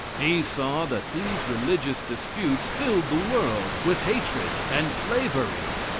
He saw that these religious disputes filled the world with hatred and slavery.